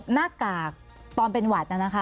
หน้ากากตอนเป็นหวัดน่ะนะคะ